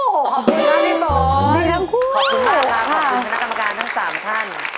ขอบคุณค่ะพี่หมอนดีทั้งคู่ขอบคุณมากค่ะขอบคุณคุณนักกรรมการทั้งสามท่าน